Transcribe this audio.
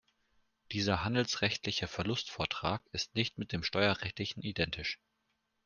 Dieser handelsrechtliche Verlustvortrag ist nicht mit dem steuerrechtlichen identisch.